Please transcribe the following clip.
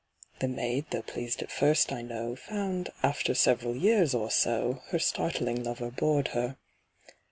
The maid, though pleased at first, I know, Found, after several years or so, Her startling lover bored her.